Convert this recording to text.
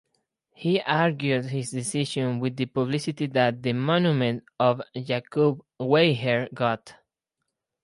He argued his decision with the publicity that the monument of Jakub Weiher got.